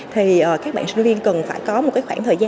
thì các bạn sinh viên cần phải có một khoảng thời gian